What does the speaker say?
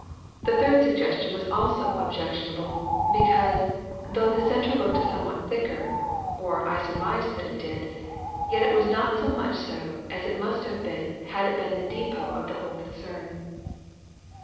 The third suggestion was also objectionable, because, though the centre looked somewhat thicker, or I surmised that it did, yet it was not so much so as it must have been, had it been the depot of the whole concern.